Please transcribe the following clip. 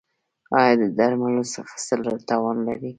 ایا د درملو اخیستلو توان لرئ؟